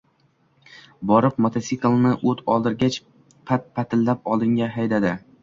Borib, mototsiklni o‘t oldirgach, “pat-pat”latib oldinga haydadi